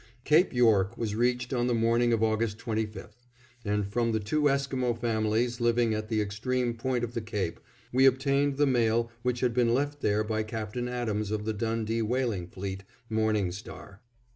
Cape York was reached on the morning of August 25, and from the two Esquimo families, living at the extreme point of the Cape, we obtained the mail which had been left there by Captain Adams of the Dundee Whaling Fleet Morning Star.